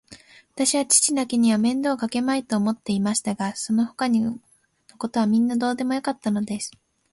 わたしは父にだけは面倒をかけまいと思っていましたが、そのほかのことはみんなどうでもよかったのです。